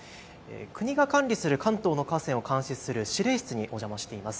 国が管理する関東の河川を監視する指令室にお邪魔しています。